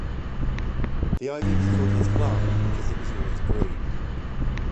The ivy was called his plant because it is always green.